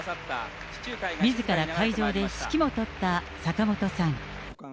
みずから会場で指揮も執った坂本さん。